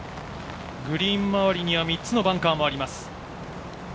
グリーン周りには３つのバンカーもあります。